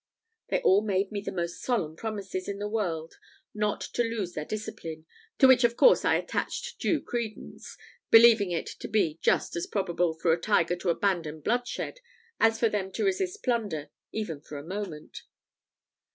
They all made me the most solemn promises in the world not to lose their discipline, to which of course I attached due credence; believing it to be just as probable for a tiger to abandon bloodshed, as for them to resist plunder even for a moment.